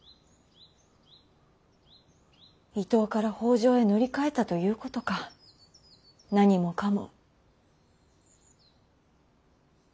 伊東から北条へ乗り換えたということか何もかも。